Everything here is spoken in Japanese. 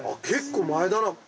結構前だな。